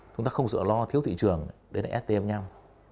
chúng ta không sợ lo thiếu thị trường đấy là stm năm